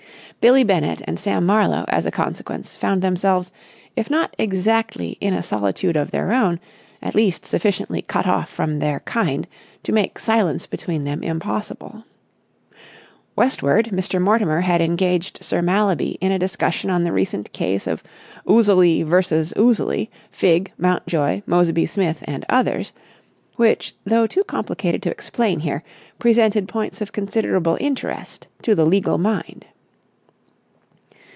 Billie Bennett and Sam Marlowe, as a consequence, found themselves, if not exactly in a solitude of their own, at least sufficiently cut off from their kind to make silence between them impossible. Westward, Mr. Mortimer had engaged Sir Mallaby in a discussion on the recent case of Ouseley v. Ouseley, Figg, Mountjoy, Moseby Smith and others, which though too complicated to explain here, presented points of considerable interest to the legal mind.